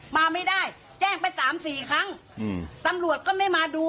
มาไม่ได้แจ้งไปสามสี่ครั้งอืมตำรวจก็ไม่มาดู